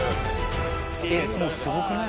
えっもうすごくない？